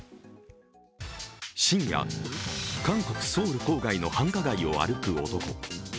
深夜、韓国・ソウル郊外の繁華街を歩く男。